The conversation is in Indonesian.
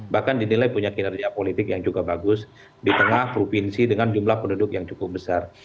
bahkan dinilai punya kinerja politik yang juga bagus di tengah provinsi dengan jumlah penduduk yang cukup besar